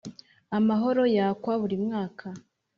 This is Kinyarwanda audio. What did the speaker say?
Amahoro yakwa buri mwaka